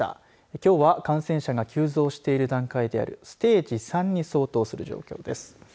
きょうは、感染者が急増している段階であるステージ３に相当する状況です。